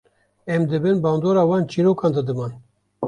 Em di bin bandora wan çîrokan de diman.